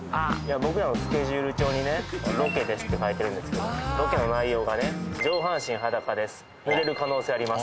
僕らのスケジュール帳にねロケですって書いてるんですけどロケの内容がね上半身裸です濡れる可能性あります